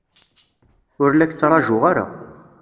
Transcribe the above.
Ur la k-ttṛajuɣ ara.